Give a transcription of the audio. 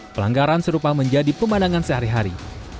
pelanggaran serupa menjadi pemandangan sehari hari